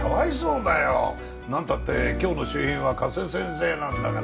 なんたって今日の主賓は加瀬先生なんだから。